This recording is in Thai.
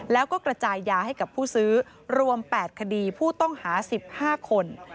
แล้วก็กระจายยาให้กับผู้ซื้อรวม๘คดีผู้ต้องหา๑๕คน